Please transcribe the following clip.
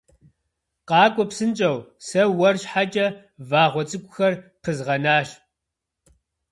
Къакӏуэ псынщӏэу, сэ уэр щхьэкӏэ вагъуэ цӏыкӏухэр пызгъэнащ.